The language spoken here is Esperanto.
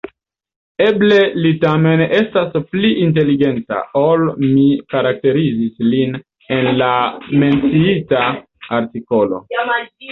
Eble li tamen estas pli inteligenta, ol mi karakterizis lin en la menciita artikolo...